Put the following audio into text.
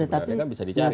sebenarnya kan bisa dicari